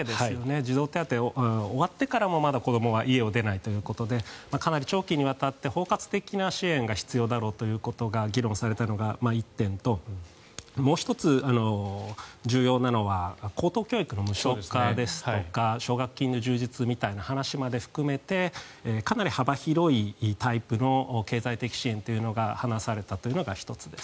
児童手当が終わってからもまだ子どもは家を出ないということでかなり長期にわたって包括的な支援が必要だろうということが議論されたのが１点ともう１つ重要なのが高等教育の無償化ですとか奨学金の充実みたいな話も含めてかなり幅広いタイプの経済的支援というのが話されたのが１つ。